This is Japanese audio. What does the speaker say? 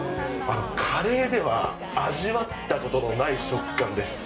カレーでは味わったことのない食感です。